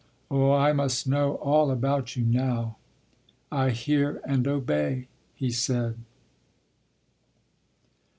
Oh, I must know all about you now—" "I hear and obey," he said.